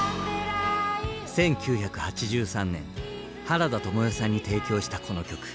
１９８３年原田知世さんに提供したこの曲